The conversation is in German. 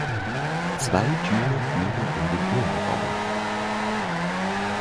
Zwei Türen führen in den Innenraum.